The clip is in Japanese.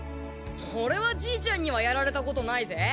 俺はじいちゃんにはやられたことないぜ。